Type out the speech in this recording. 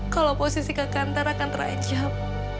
kalau posisi kakak antara akan terajam